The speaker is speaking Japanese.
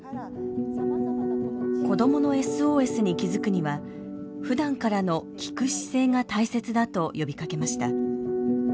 子どものＳＯＳに気付くにはふだんからの聴く姿勢が大切だと呼びかけました。